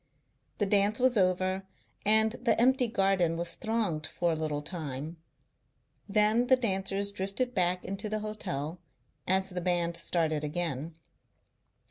The dance was over and the empty garden was thronged for a little time. Then the dancers drifted back into the hotel as the band started again.